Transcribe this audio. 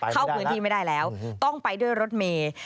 เข้าพื้นที่ไม่ได้แล้วต้องไปด้วยรถเมย์